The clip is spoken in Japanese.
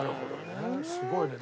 すごいね。